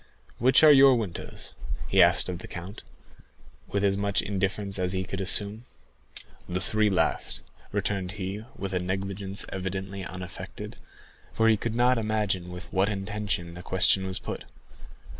"Which are your windows?" asked he of the count, with as much indifference as he could assume. "The three last," returned he, with a negligence evidently unaffected, for he could not imagine with what intention the question was put.